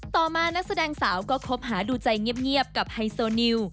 ต่อมานักแสดงสาวก็คบหาดูใจเงียบกับไฮโซนิว